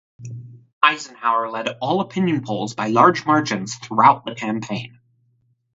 Eisenhower led all opinion polls by large margins throughout the campaign.